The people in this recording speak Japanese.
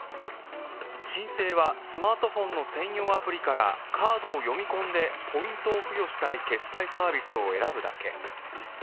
申請はスマートフォンの専用アプリからカードを読み込んでポイントを付与したい決済サービスを選ぶだけ。